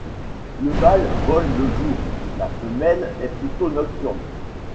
Le mâle vole le jour, la femelle est plutôt nocturne.